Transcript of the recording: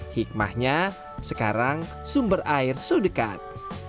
hikmahnya sekarang sumber air sedekat